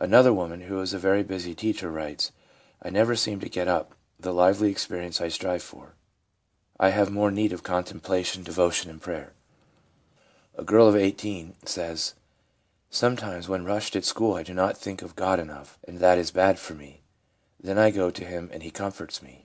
Another woman, who is a very busy teacher, writes :' I never seem to get up the lively experience I strive for; I have more need of contemplation, devotion and prayer.' A girl of 18 says : 1 Sometimes when rushed at school I do not think of God enough, and that is bad for me ; then I go to Him and He comforts me.'